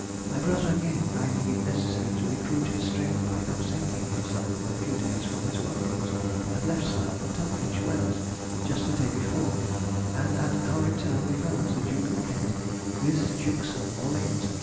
My brother, again finding it necessary to recruit his strength by absenting himself for a few days from his work rooms, had left Slough for Tunbridge Wells just the day before, and at our return we found the Duke of Kent, with the Dukes of Orleans, &c.